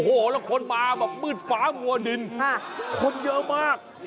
โอ้โฮแล้วคนมาเหปุ่ยฟ้าหมัวดินคนเยอะมาก